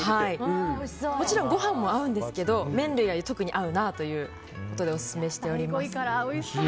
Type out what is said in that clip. もちろん、ご飯も合うんですけど麺類は特に合うなということでオススメしております。